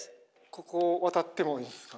ここを渡ってもいいですか？